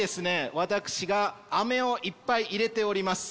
私がアメをいっぱい入れております。